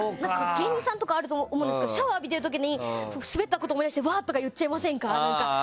芸人さんとかあると思うんですけどシャワー浴びてる時にスベったことを思い出してうわーとか言っちゃいませんか？